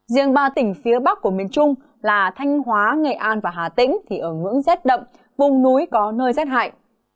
riêng ba tỉnh phía bắc của miền trung là thanh hóa nghệ an và hà tĩnh thì ở ngưỡng rét đậm vùng núi có nơi rét hại